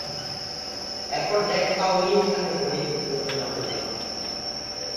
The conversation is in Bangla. এরপর, জ্যাক কাউয়ি’র সাথে বোলিং উদ্বোধনে অগ্রসর হন।